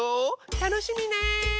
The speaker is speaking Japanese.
たのしみね！